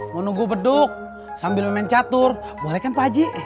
mau nunggu beduk sambil main catur boleh kan pak haji